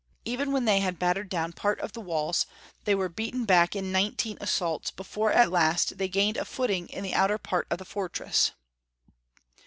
Even when they had battered down part of the walls, they were beaten back in nineteen assaults before at last they gained a footing in the outer part of the fortress.